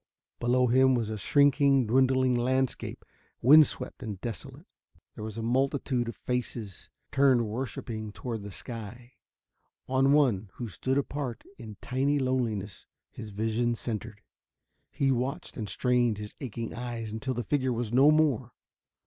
Below him was a shrinking, dwindling landscape, wind swept and desolate. There was a multitude of faces, turned worshipping toward the sky. On one, who stood apart in tiny loneliness, his vision centered. He watched and strained his aching eyes until the figure was no more.